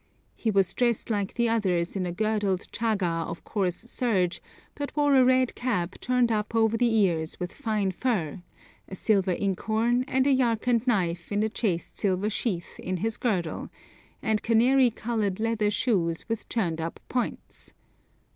He was dressed like the others in a girdled chaga of coarse serge, but wore a red cap turned up over the ears with fine fur, a silver inkhorn, and a Yarkand knife in a chased silver sheath in his girdle, and canary coloured leather shoes with turned up points.